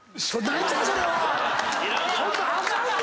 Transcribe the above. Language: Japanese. そんなんあかんで！